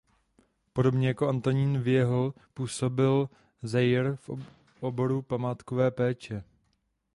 Podobně jako Antonín Wiehl působil Zeyer v oboru památkové péče.